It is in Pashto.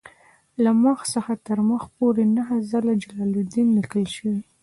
له مخ څخه تر مخ پورې نهه ځله جلالدین لیکل شوی.